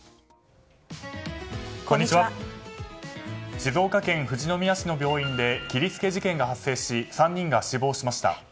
静岡県富士宮市の病院で切り付け事件が発生し３人が死亡しました。